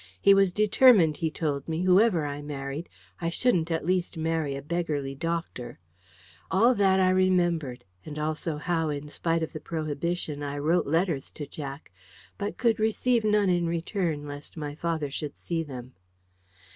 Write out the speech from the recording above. He was determined, he told me, whoever I married, I shouldn't at least marry a beggarly doctor. All that I remembered; and also how, in spite of the prohibition, I wrote letters to Jack, but could receive none in return lest my father should see them.